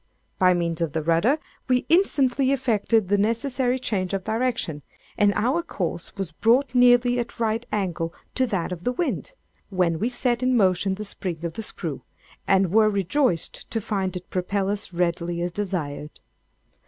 By means of the rudder we instantly effected the necessary change of direction, and our course was brought nearly at right angles to that of the wind; when we set in motion the spring of the screw, and were rejoiced to find it propel us readily as desired.